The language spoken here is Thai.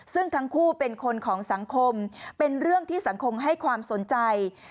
ซึ่งทั้งคู่เป็นคนของสังคมเป็นเรื่องที่สังคมให้ความสนใจ